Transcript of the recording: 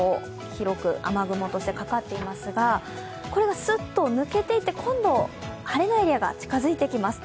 広く雨雲としてかかっていますが、これがすっと抜けていって今度晴れのエリアが近づいてきます。